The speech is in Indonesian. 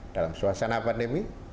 dalam suasana pandemi